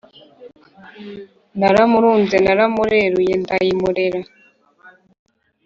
naramurunze naramureruye ndayimu rera